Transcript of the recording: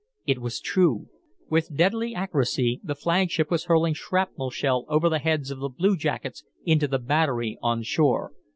It was true. With deadly accuracy, the flagship was hurling shrapnel shell over the heads of the bluejackets into the battery on shore.